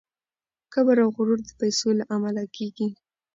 کبر او غرور د پیسو له امله کیږي.